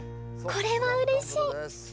これはうれしい！